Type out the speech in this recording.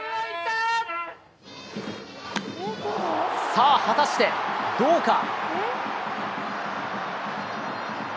さあ、果たしてどうか？